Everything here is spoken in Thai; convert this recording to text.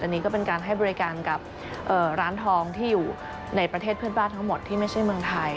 อันนี้ก็เป็นการให้บริการกับร้านทองที่อยู่ในประเทศเพื่อนบ้านทั้งหมดที่ไม่ใช่เมืองไทย